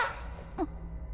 あっ。